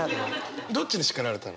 どっちに叱られたの？